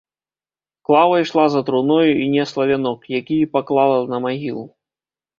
Клава ішла за труною і несла вянок, які і паклала на магілу.